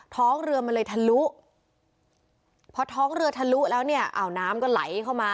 ท้องเรือมันเลยทะลุพอท้องเรือทะลุแล้วเนี่ยอ้าวน้ำก็ไหลเข้ามา